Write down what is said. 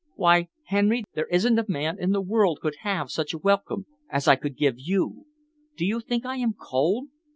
Why, Henry, there isn't a man in the world could have such a welcome as I could give you. Do you think I am cold?